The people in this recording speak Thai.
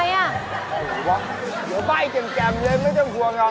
อะไรหรือวะเดี๋ยวใบ้เจ็มเลยไม่ต้องกลัวนะ